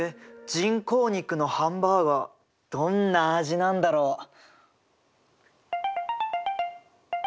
人工肉のハンバーガーどんな味なんだろう。